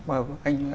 mà anh hùng